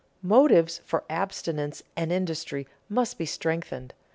Motives for abstinence and industry must be strengthened.